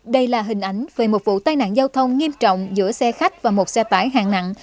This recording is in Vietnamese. đây là hình ảnh về một vụ tai nạn giao thông nghiêm trọng giữa xe khách và một xe tải hạng nặng